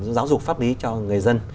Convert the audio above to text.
giáo dục pháp lý cho người dân